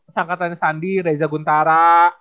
sangkatan sandi reza guntara